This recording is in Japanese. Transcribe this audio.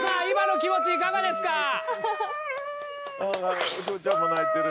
今の気持ちいかがですか？